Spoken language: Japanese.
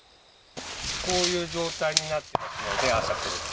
こういう状態になってますので、朝来ると。